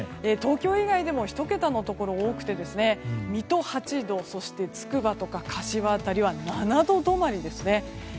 東京以外でも１桁のところが多く水戸８度、つくばとか柏辺りは７度止まりですね。